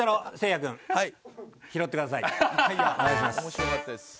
「面白かったです」